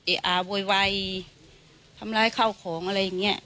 เอ่อโวยวัยทำร้ายข้าวของอะไรอย่างนี้